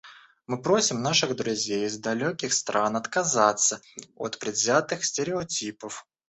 Мы просим наших друзей из далеких стран отказаться от предвзятых стереотипов.